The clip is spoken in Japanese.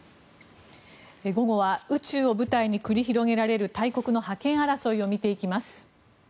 午後は宇宙を舞台に繰り広げられる大国の覇権争いを見ていきます。